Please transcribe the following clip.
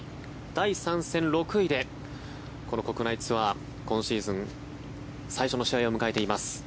第３戦、６位でこの国内ツアー今シーズン最初の試合を迎えています。